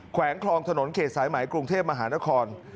วงคลองถนนเขตสายไหมกรุงเทพมหานคร